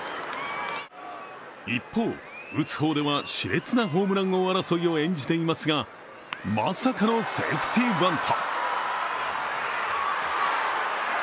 一方、打つ方ではしれつなホームラン王争いを演じていますがまさかのセーフティーバント。